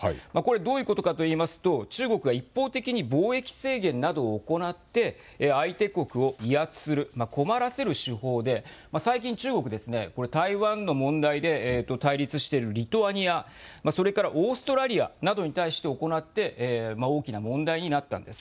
どういうことかといいますと中国が一方的に貿易制限などを行って相手国を威圧する、困らせる手法で最近、中国、台湾の問題で対立しているリトアニア、それからオーストラリアなどに対して行って大きな問題になっています。